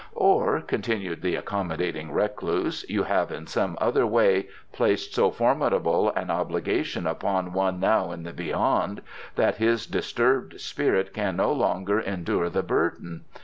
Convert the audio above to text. "Or," continued the accommodating recluse, "you have in some other way placed so formidable an obligation upon one now in the Beyond that his disturbed spirit can no longer endure the burden.